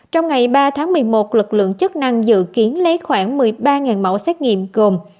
trong ngày ba tháng một mươi một lực lượng chức năng dự kiến lấy khoảng một mươi ba mẫu xét nghiệm gồm